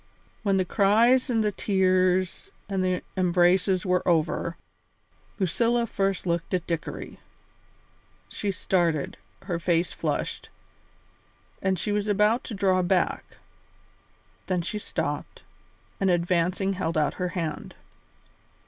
When the cries and the tears and the embraces were over, Lucilla first looked at Dickory. She started, her face flushed, and she was about to draw back; then she stopped, and advancing held out her hand.